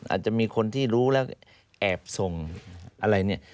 อาจจะมีคนที่รู้แล้วแอบส่งอะไรเนี่ย